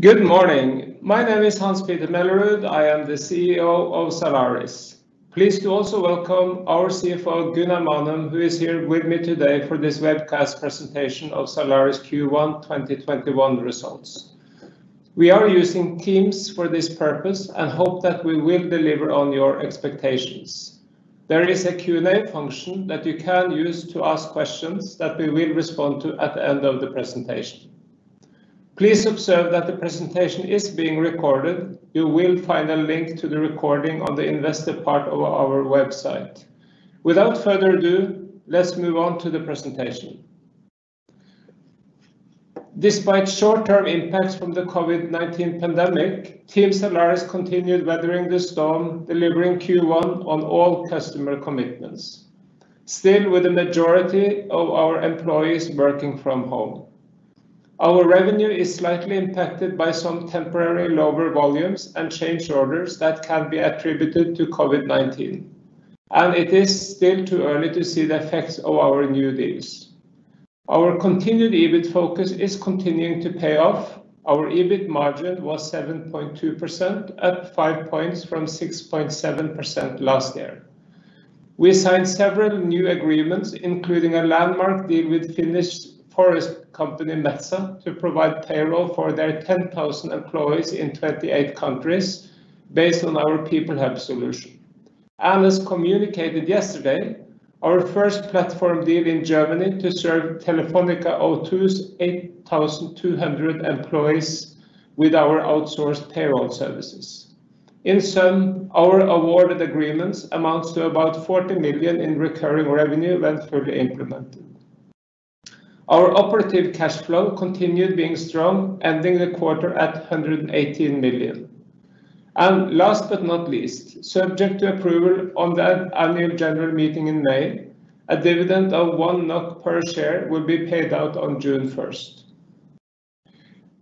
Good morning. My name is Hans-Petter Mellerud. I am the CEO of Zalaris. Please do also welcome our CFO, Gunnar Manum, who is here with me today for this webcast presentation of Zalaris Q1 2021 results. We are using Teams for this purpose and hope that we will deliver on your expectations. There is a Q&A function that you can use to ask questions that we will respond to at the end of the presentation. Please observe that the presentation is being recorded. You will find a link to the recording on the investor part of our website. Without further ado, let's move on to the presentation. Despite short-term impacts from the COVID-19 pandemic, Team Zalaris continued weathering the storm, delivering Q1 on all customer commitments, still with the majority of our employees working from home. Our revenue is slightly impacted by some temporary lower volumes and change orders that can be attributed to COVID-19. It is still too early to see the effects of our new deals. Our continued EBIT focus is continuing to pay off. Our EBIT margin was 7.2%, up five points from 6.7% last year. We signed several new agreements, including a landmark deal with Finnish forest company Metsä to provide payroll for their 10,000 employees in 28 countries based on our PeopleHub solution. As communicated yesterday, our first platform deal in Germany to serve Telefónica O2's 8,200 employees with our outsourced payroll services. In sum, our awarded agreements amounts to about 40 million in recurring revenue when fully implemented. Our operative cash flow continued being strong, ending the quarter at 118 million. Last but not least, subject to approval on the annual general meeting in May, a dividend of 1 NOK per share will be paid out on June 1st.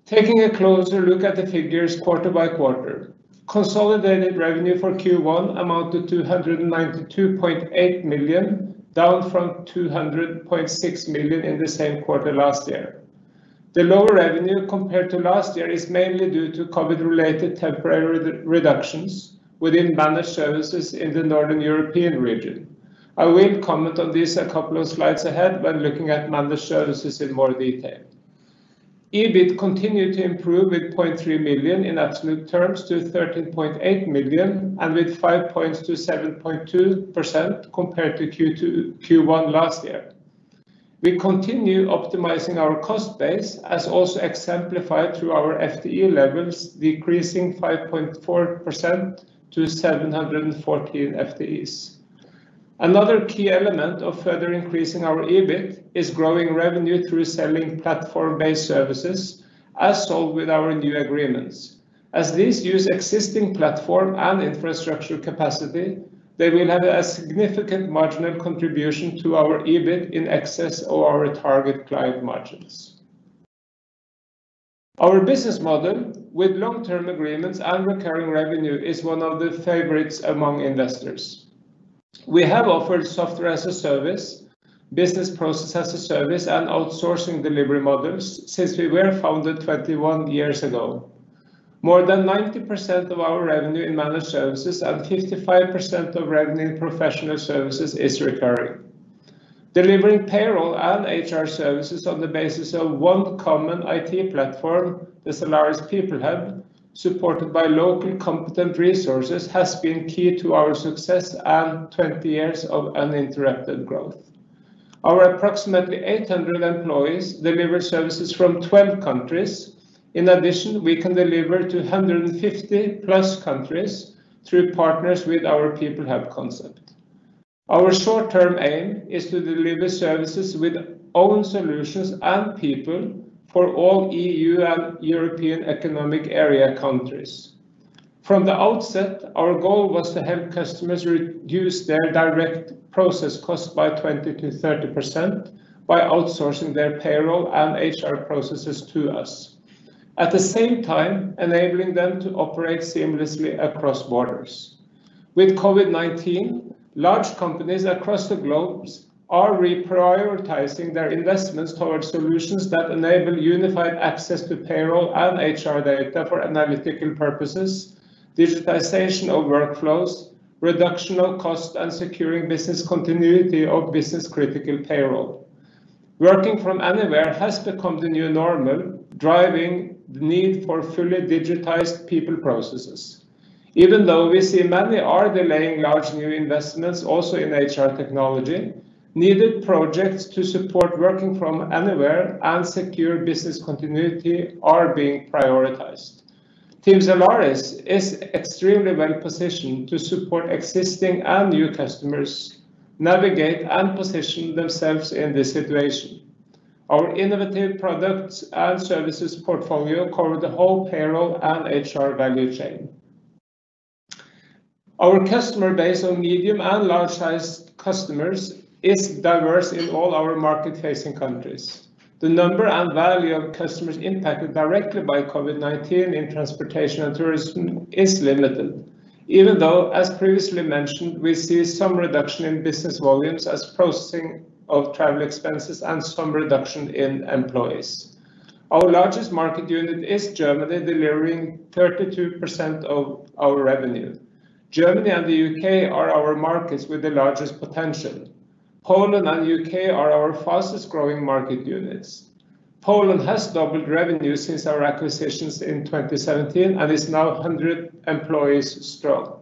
Taking a closer look at the figures quarter by quarter, consolidated revenue for Q1 amounted to 192.8 million, down from 200.6 million in the same quarter last year. The lower revenue compared to last year is mainly due to COVID-related temporary reductions within Managed Services in the Northern European region. I will comment on this a couple of slides ahead when looking at Managed Services in more detail. EBIT continued to improve with 0.3 million in absolute terms to 13.8 million, and with five points to 7.2% compared to Q1 last year. We continue optimizing our cost base as also exemplified through our FTE levels, decreasing 5.4% to 714 FTEs. Another key element of further increasing our EBIT is growing revenue through selling platform-based services as sold with our new agreements. As these use existing platform and infrastructure capacity, they will have a significant marginal contribution to our EBIT in excess of our target client margins. Our business model with long-term agreements and recurring revenue is one of the favorites among investors. We have offered Software as a Service, Business Process as a Service, and outsourcing delivery models since we were founded 21 years ago. More than 90% of our revenue in Managed Services and 55% of revenue in Professional Services is recurring. Delivering payroll and HR services on the basis of one common IT platform, the Zalaris PeopleHub, supported by local competent resources, has been key to our success and 20 years of uninterrupted growth. Our approximately 800 employees deliver services from 12 countries. In addition, we can deliver to 150 countries through partners with our PeopleHub concept. Our short-term aim is to deliver services with own solutions and people for all EU and European economic area countries. From the outset, our goal was to help customers reduce their direct process cost by 20%-30% by outsourcing their payroll and HR processes to us, at the same time enabling them to operate seamlessly across borders. With COVID-19, large companies across the globes are reprioritizing their investments towards solutions that enable unified access to payroll and HR data for analytical purposes, digitalization of workflows, reduction of cost, and securing business continuity of business critical payroll. Working from anywhere has become the new normal, driving the need for fully digitized people processes. Even though we see many are delaying large new investments, also in HR technology, needed projects to support working from anywhere and secure business continuity are being prioritized. Team Zalaris is extremely well positioned to support existing and new customers navigate and position themselves in this situation. Our innovative products and services portfolio cover the whole payroll and HR value chain. Our customer base of medium and large sized customers is diverse in all our market facing countries. The number and value of customers impacted directly by COVID-19 in transportation and tourism is limited. As previously mentioned, we see some reduction in business volumes as processing of travel expenses and some reduction in employees. Our largest market unit is Germany, delivering 32% of our revenue. Germany and the U.K. are our markets with the largest potential. Poland and U.K. are our fastest growing market units. Poland has doubled revenue since our acquisitions in 2017 and is now 100 employees strong.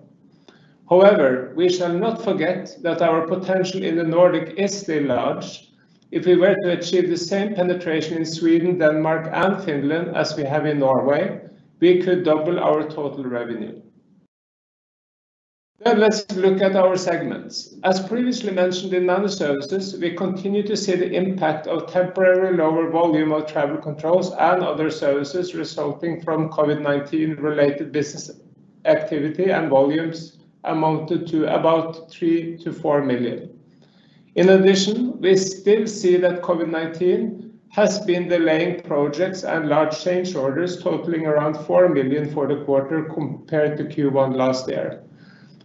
We shall not forget that our potential in the Nordic is still large. If we were to achieve the same penetration in Sweden, Denmark, and Finland as we have in Norway, we could double our total revenue. Let's look at our segments. As previously mentioned in Managed Services, we continue to see the impact of temporary lower volume of travel controls and other services resulting from COVID-19 related business activity and volumes amounted to about 3 million-4 million. We still see that COVID-19 has been delaying projects and large change orders totaling around 4 million for the quarter compared to Q1 last year.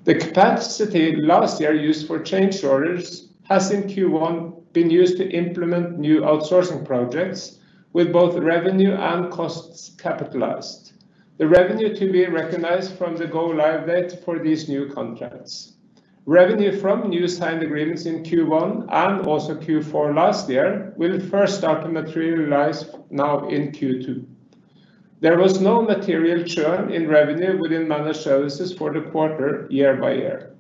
The capacity last year used for change orders has in Q1 been used to implement new outsourcing projects with both revenue and costs capitalized. The revenue to be recognized from the go live date for these new contracts. Revenue from new signed agreements in Q1 and also Q4 last year will first start to materialize now in Q2. There was no material churn in revenue within Managed Services for the quarter year by year.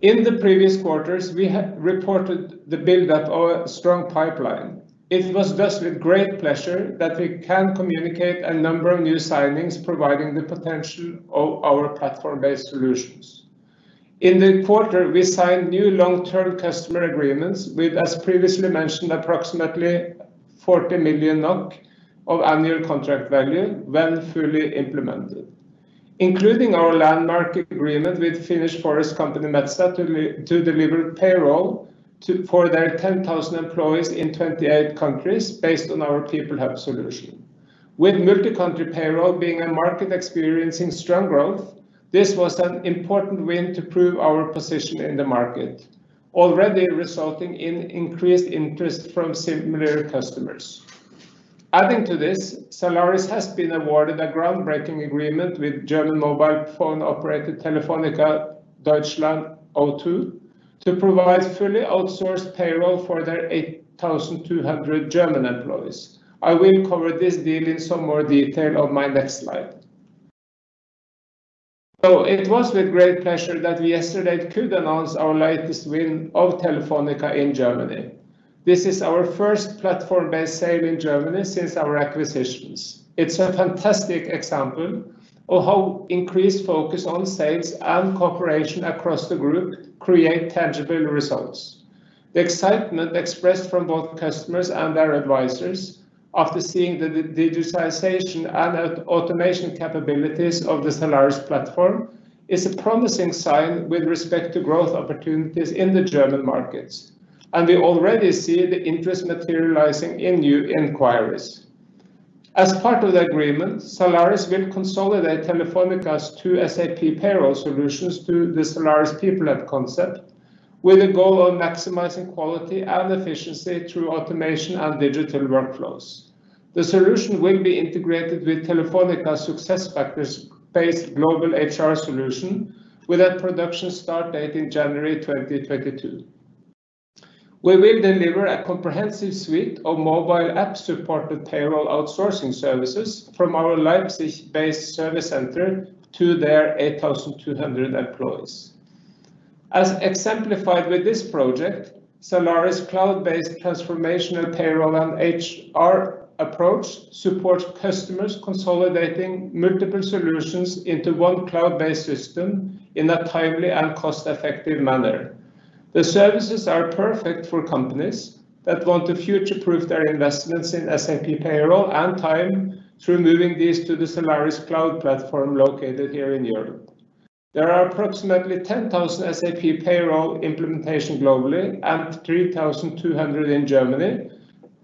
In the previous quarters, we reported the build up of a strong pipeline. It was thus with great pleasure that we can communicate a number of new signings providing the potential of our platform-based solutions. In the quarter, we signed new long-term customer agreements with, as previously mentioned, approximately 40 million NOK of annual contract value when fully implemented, including our landmark agreement with Finnish forest company Metsä to deliver payroll for their 10,000 employees in 28 countries based on our PeopleHub solution. With multi-country payroll being a market experiencing strong growth, this was an important win to prove our position in the market, already resulting in increased interest from similar customers. Adding to this, Zalaris has been awarded a groundbreaking agreement with German mobile phone operator Telefónica Deutschland, O2, to provide fully outsourced payroll for their 8,200 German employees. I will cover this deal in some more detail on my next slide. It was with great pleasure that we yesterday could announce our latest win of Telefónica in Germany. This is our first platform-based sale in Germany since our acquisitions. It's a fantastic example of how increased focus on sales and cooperation across the group create tangible results. The excitement expressed from both customers and their advisors after seeing the digitalization and automation capabilities of the Zalaris platform is a promising sign with respect to growth opportunities in the German markets, and we already see the interest materializing in new inquiries. As part of the agreement, Zalaris will consolidate Telefónica's two SAP payroll solutions to the Zalaris PeopleHub concept with a goal of maximizing quality and efficiency through automation and digital workflows. The solution will be integrated with Telefónica SuccessFactors based global HR solution with a production start date in January 2022. We will deliver a comprehensive suite of mobile app supported payroll outsourcing services from our Leipzig based service center to their 8,200 employees. As exemplified with this project, Zalaris cloud-based transformational payroll and HR approach supports customers consolidating multiple solutions into one cloud-based system in a timely and cost effective manner. The services are perfect for companies that want to future-proof their investments in SAP payroll and time through moving these to the Zalaris cloud platform located here in Europe. There are approximately 10,000 SAP payroll implementation globally and 3,200 in Germany,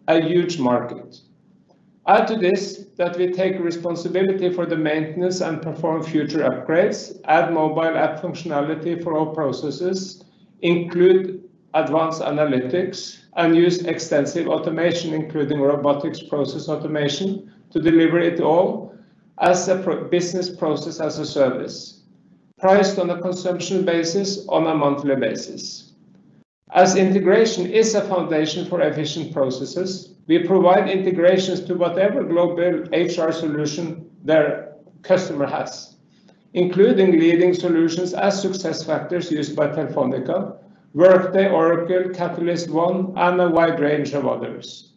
a huge market. Add to this that we take responsibility for the maintenance and perform future upgrades, add mobile app functionality for all processes, include advanced analytics, and use extensive automation including robotics process automation to deliver it all as a business process as a service, priced on a consumption basis on a monthly basis. As integration is a foundation for efficient processes, we provide integrations to whatever global HR solution their customer has, including leading solutions as SuccessFactors used by Telefónica, Workday, Oracle, CatalystOne, and a wide range of others.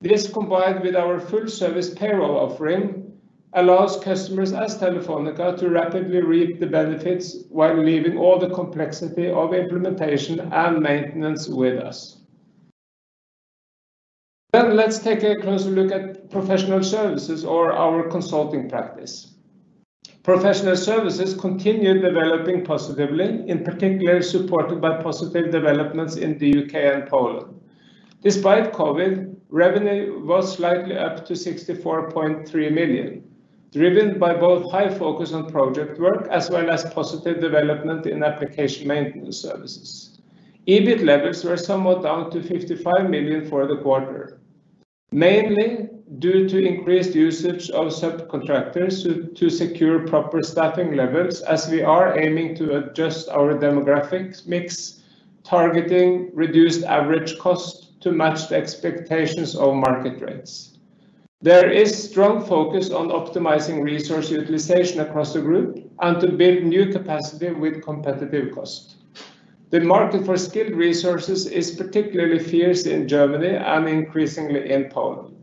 This, combined with our full service payroll offering, allows customers as Telefónica to rapidly reap the benefits while leaving all the complexity of implementation and maintenance with us. Let's take a closer look at Professional Services or our consulting practice. Professional Services continue developing positively, in particular supported by positive developments in the U.K. and Poland. Despite COVID-19, revenue was slightly up to 64.3 million, driven by both high focus on project work as well as positive development in application maintenance services. EBIT levels were somewhat down to 55 million for the quarter, mainly due to increased usage of subcontractors to secure proper staffing levels as we are aiming to adjust our demographics mix, targeting reduced average cost to match the expectations of market rates. There is strong focus on optimizing resource utilization across the group and to build new capacity with competitive cost. The market for skilled resources is particularly fierce in Germany and increasingly in Poland.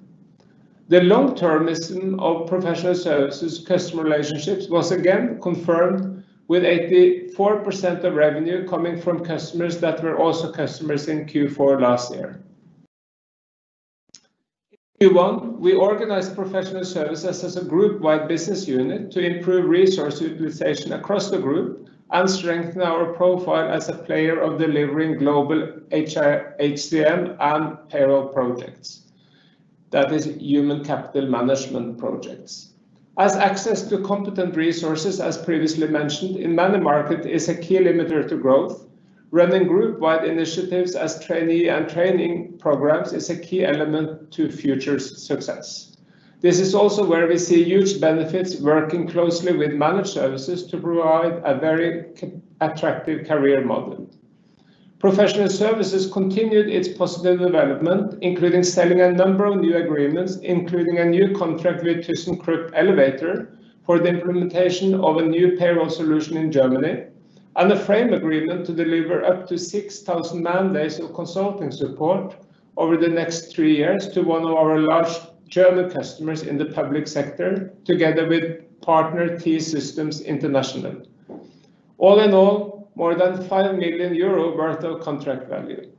The long-termism of Professional Services customer relationships was again confirmed, with 84% of revenue coming from customers that were also customers in Q4 last year. In Q1, we organized Professional Services as a groupwide business unit to improve resource utilization across the group and strengthen our profile as a player of delivering global HCM and payroll projects. That is human capital management projects. As access to competent resources, as previously mentioned, in many markets is a key limiter to growth. Running groupwide initiatives as trainee and training programs is a key element to future success. This is also where we see huge benefits working closely with Managed Services to provide a very attractive career model. Professional Services continued its positive development, including selling a number of new agreements, including a new contract with ThyssenKrupp Elevator for the implementation of a new payroll solution in Germany, and a frame agreement to deliver up to 6,000 man-days of consulting support over the next three years to one of our large German customers in the public sector, together with partner T-Systems International. All in all, more than 5 million euro worth of contract value.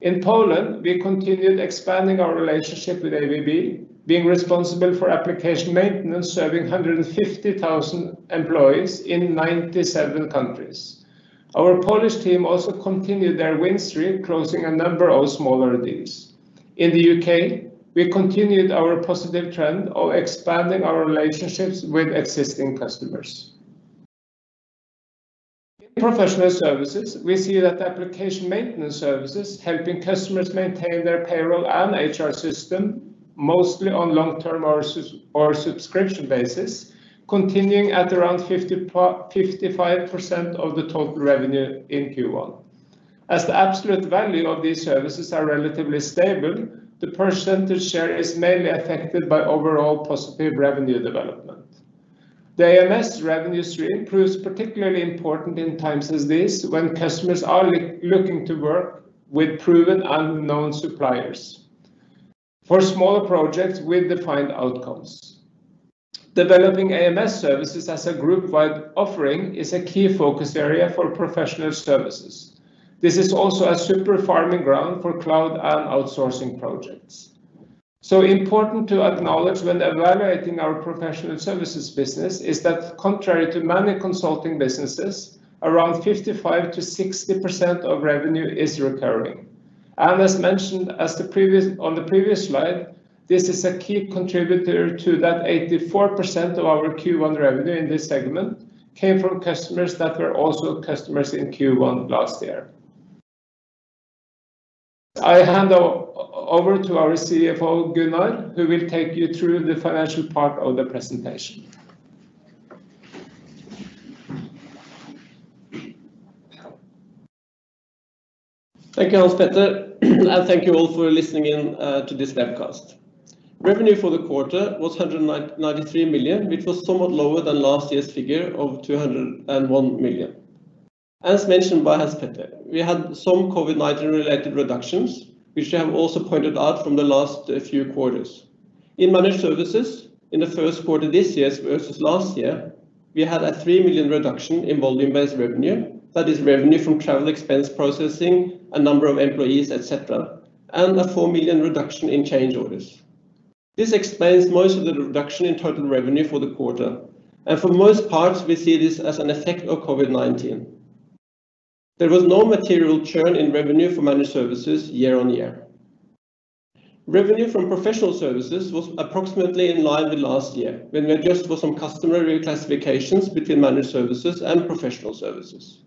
In Poland, we continued expanding our relationship with ABB, being responsible for application maintenance, serving 150,000 employees in 97 countries. Our Polish team also continued their win streak, closing a number of smaller deals. In the U.K., we continued our positive trend of expanding our relationships with existing customers. In Professional Services, we see that application maintenance services helping customers maintain their payroll and HR system mostly on long-term or subscription basis, continuing at around 55% of the total revenue in Q1. The absolute value of these services are relatively stable, the percentage share is mainly affected by overall positive revenue development. The AMS revenue stream proves particularly important in times as this when customers are looking to work with proven and known suppliers for smaller projects with defined outcomes. Developing AMS services as a groupwide offering is a key focus area for Professional Services. This is also a super farming ground for cloud and outsourcing projects. Important to acknowledge when evaluating our Professional Services business is that contrary to many consulting businesses, around 55%-60% of revenue is recurring. As mentioned on the previous slide, this is a key contributor to that 84% of our Q1 revenue in this segment came from customers that were also customers in Q1 last year. I hand over to our CFO Gunnar, who will take you through the financial part of the presentation. Thank you, Hans-Petter, and thank you all for listening in to this webcast. Revenue for the quarter was 193 million, which was somewhat lower than last year's figure of 201 million. As mentioned by Hans-Petter, we had some COVID-19 related reductions, which we have also pointed out from the last few quarters. In Managed Services in the Q1 this year versus last year, we had a 3 million reduction in volume-based revenue. That is revenue from travel expense processing, a number of employees, et cetera, and a 4 million reduction in change orders. This explains most of the reduction in total revenue for the quarter, and for most parts, we see this as an effect of COVID-19. There was no material churn in revenue for Managed Services year-on-year. Revenue from Professional Services was approximately in line with last year when we adjusted for some customer reclassifications between Managed Services and Professional Services.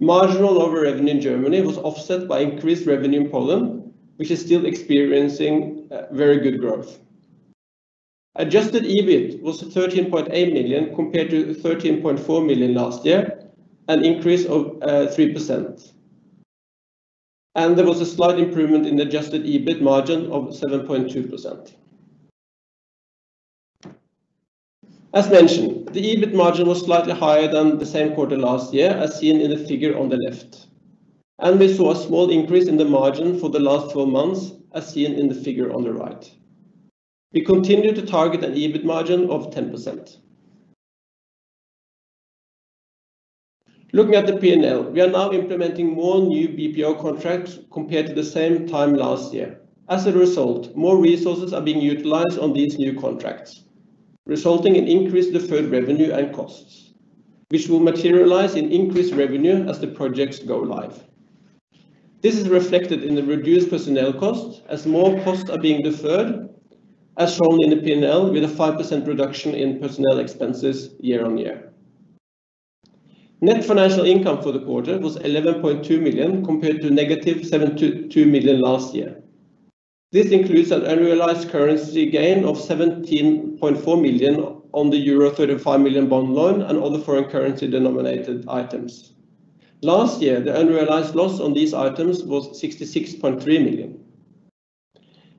Marginal lower revenue in Germany was offset by increased revenue in Poland, which is still experiencing very good growth. Adjusted EBIT was 13.8 million compared to 13.4 million last year, an increase of 3%. There was a slight improvement in adjusted EBIT margin of 7.2%. As mentioned, the EBIT margin was slightly higher than the same quarter last year, as seen in the figure on the left, and we saw a small increase in the margin for the last four months, as seen in the figure on the right. We continue to target an EBIT margin of 10%. Looking at the P&L, we are now implementing more new BPO contracts compared to the same time last year. As a result, more resources are being utilized on these new contracts, resulting in increased deferred revenue and costs, which will materialize in increased revenue as the projects go live. This is reflected in the reduced personnel costs as more costs are being deferred, as shown in the P&L, with a 5% reduction in personnel expenses year-on-year. Net financial income for the quarter was 11.2 million, compared to -7.2 million last year. This includes an unrealized currency gain of 17.4 million on the euro 35 million bond loan and other foreign currency denominated items. Last year, the unrealized loss on these items was 66.3 million.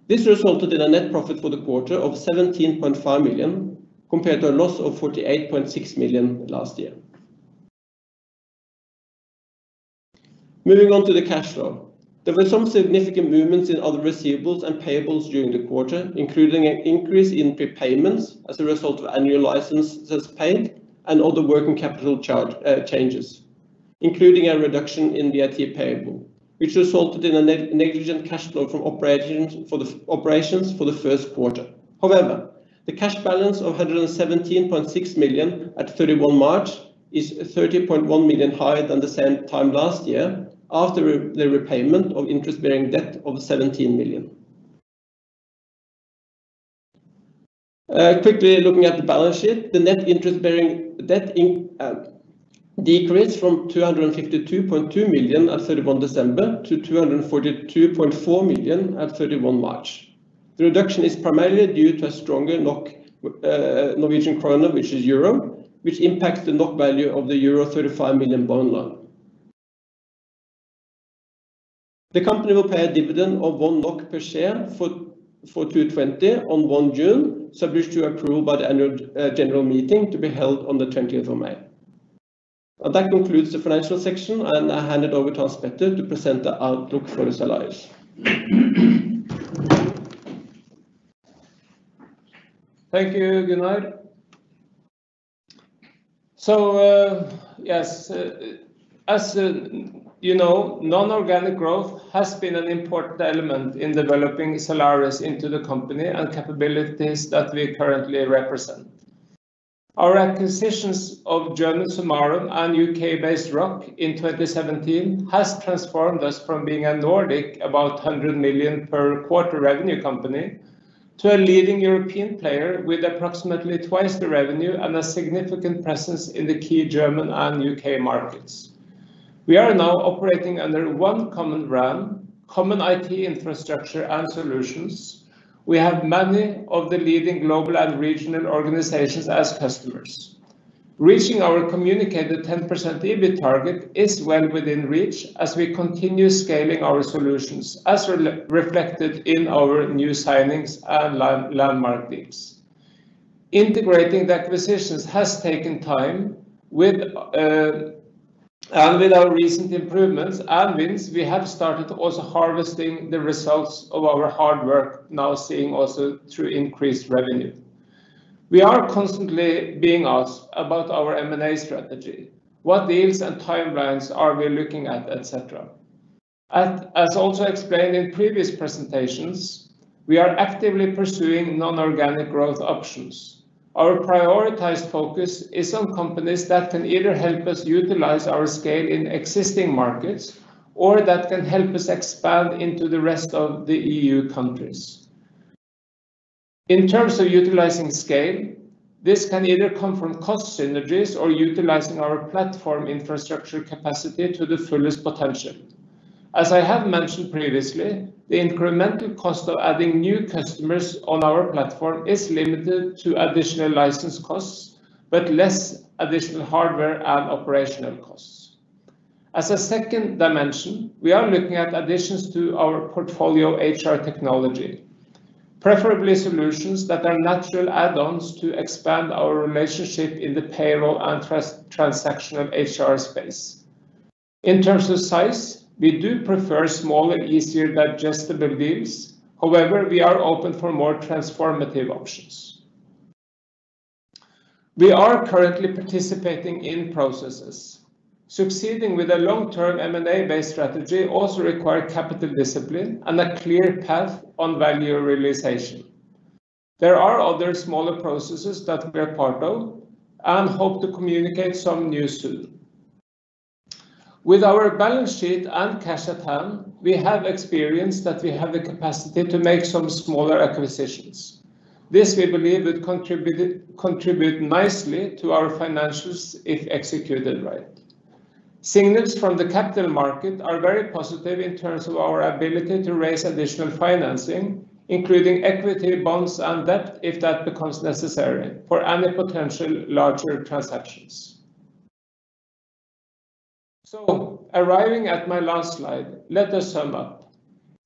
This resulted in a net profit for the quarter of 17.5 million, compared to a loss of 48.6 million last year. Moving on to the cash flow. There were some significant movements in other receivables and payables during the quarter, including an increase in prepayments as a result of annual licenses paid and other working capital changes, including a reduction in VAT payable, which resulted in a negligible cash flow from operations for the Q1. The cash balance of 117.6 million at 31 March is 30.1 million higher than the same time last year after the repayment of interest-bearing debt of 17 million. Quickly looking at the balance sheet, the net interest bearing debt decreased from 252.2 million at 31 December to 242.4 million at 31 March. The reduction is primarily due to a stronger NOK Norwegian kroner versus Euro, which impacts the NOK value of the euro 35 million bond loan. The company will pay a dividend of 1 NOK per share for 2020 on 1 June, subject to approval by the annual general meeting to be held on the 20th of May. That concludes the financial section. I hand it over to Hans-Petter to present the outlook for Zalaris. Thank you, Gunnar. Yes, as you know, non-organic growth has been an important element in developing Zalaris into the company and capabilities that we currently represent. Our acquisitions of German sumarum AG and U.K.-based ROC in 2017 has transformed us from being a Nordic about 100 million per quarter revenue company to a leading European player with approximately twice the revenue and a significant presence in the key German and U.K. markets. We are now operating under one common brand, common IT infrastructure, and solutions. We have many of the leading global and regional organizations as customers. Reaching our communicated 10% EBIT target is well within reach as we continue scaling our solutions, as reflected in our new signings and landmark deals. Integrating the acquisitions has taken time. With our recent improvements and wins, we have started also harvesting the results of our hard work, now seeing also through increased revenue. We are constantly being asked about our M&A strategy, what deals and timelines are we looking at, et cetera. As also explained in previous presentations, we are actively pursuing non-organic growth options. Our prioritized focus is on companies that can either help us utilize our scale in existing markets or that can help us expand into the rest of the EU countries. In terms of utilizing scale, this can either come from cost synergies or utilizing our platform infrastructure capacity to the fullest potential. As I have mentioned previously, the incremental cost of adding new customers on our platform is limited to additional license costs, but less additional hardware and operational costs. As a second dimension, we are looking at additions to our portfolio HR technology, preferably solutions that are natural add-ons to expand our relationship in the payroll and transactional HR space. In terms of size, we do prefer smaller, easier digestible deals. However, we are open for more transformative options. We are currently participating in processes. Succeeding with a long-term M&A-based strategy also require capital discipline and a clear path on value realization. There are other smaller processes that we are part of and hope to communicate some news soon. With our balance sheet and cash at hand, we have experienced that we have the capacity to make some smaller acquisitions. This, we believe, would contribute nicely to our financials if executed right. Signals from the capital market are very positive in terms of our ability to raise additional financing, including equity, bonds, and debt, if that becomes necessary for any potential larger transactions. Arriving at my last slide, let us sum up.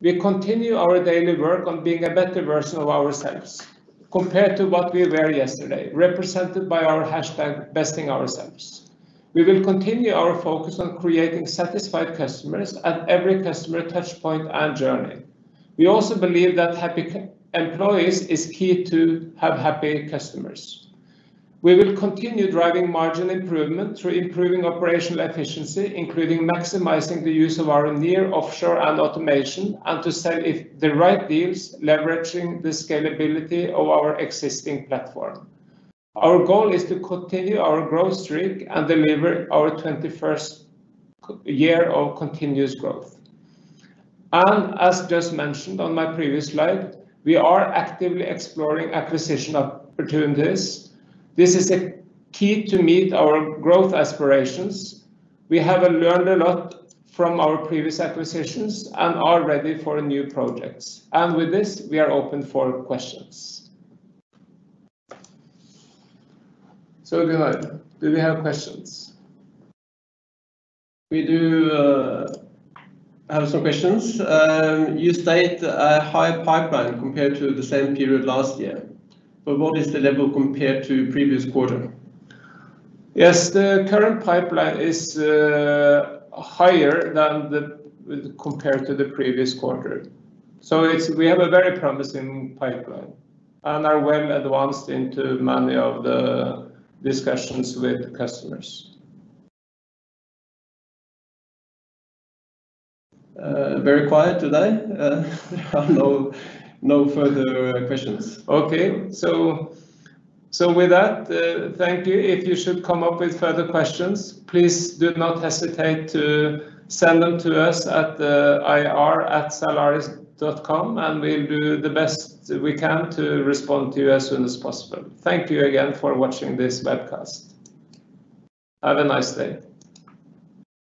We continue our daily work on being a better version of ourselves compared to what we were yesterday, represented by our hashtag, #BestingOurselves. We will continue our focus on creating satisfied customers at every customer touchpoint and journey. We also believe that happy employees is key to have happy customers. We will continue driving margin improvement through improving operational efficiency, including maximizing the use of our near, offshore, and automation, and to sell the right deals leveraging the scalability of our existing platform. Our goal is to continue our growth streak and deliver our 21st year of continuous growth. As just mentioned on my previous slide, we are actively exploring acquisition opportunities. This is a key to meet our growth aspirations. We have learned a lot from our previous acquisitions and are ready for new projects. With this, we are open for questions. Gunnar, do we have questions? We do have some questions. You state a high pipeline compared to the same period last year. What is the level compared to previous quarter? Yes, the current pipeline is higher than compared to the previous quarter. We have a very promising pipeline and are well advanced into many of the discussions with customers. Very quiet today. No further questions. Okay. With that, thank you. If you should come up with further questions, please do not hesitate to send them to us at the ir@zalaris.com, and we'll do the best we can to respond to you as soon as possible. Thank you again for watching this webcast. Have a nice day.